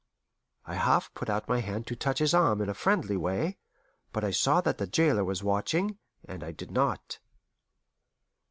I half put out my hand to touch his arm in a friendly way, but I saw that the jailer was watching, and I did not.